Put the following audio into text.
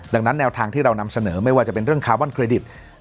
ดังนั้นแนวทางที่เรานำเสนอไม่ว่าจะเป็นเรื่องคาร์บอนเครดิต